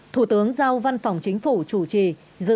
một mươi một thủ tướng giao văn phòng chính phủ chủ trì